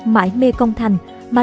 mãi mê công thành mà